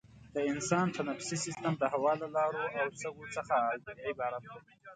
د انسان تنفسي سیستم د هوا له لارو او سږو څخه عبارت دی.